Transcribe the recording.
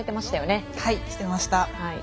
していました。